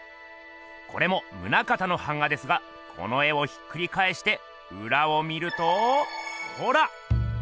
これも棟方の版画ですがこの絵をひっくりかえしてうらを見るとほら！